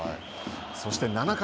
そして、７回。